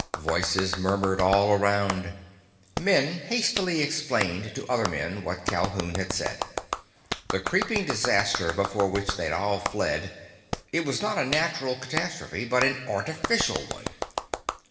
Voices murmured all around. Men hastily explained to other men what Calhoun had said. The creeping disaster before which they'd all fled,—it was not a natural catastrophe, but an artificial one!